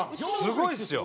すごいっすよ！